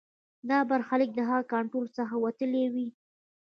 دا برخلیک د هغه له کنټرول څخه وتلی وي.